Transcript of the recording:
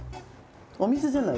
お水じゃない？